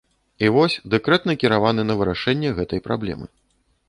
І вось, дэкрэт накіраваны на вырашэнне гэтай праблемы.